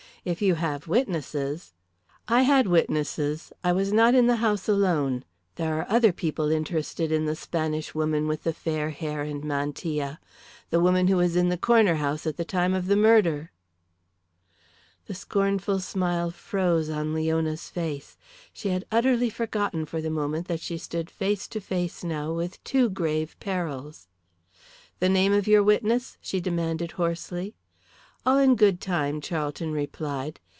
If you have witnesses " "I had witnesses; I was not in the house alone. There are other people interested in the Spanish woman with the fair hair and mantilla the woman who was in the Corner House at the time of the murder!" The scornful smile froze on Leona's face. She had utterly forgotten for the moment that she stood face to face now with two grave perils. "The name of your witness?" she demanded, hoarsely. "All in good time," Charlton replied.